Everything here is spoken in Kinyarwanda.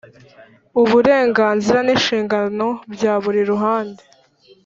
uburenganzira n inshingano bya buri ruhande